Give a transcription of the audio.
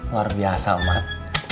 luar biasa emak